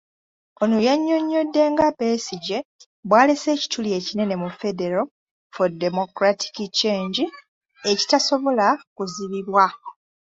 Ono yannyonnyodde nga Besigye bw'alese ekituli ekinene mu Federal for Democratic Change ekitasobola kuzibibwa.